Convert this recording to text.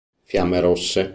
Fiamme Rosse.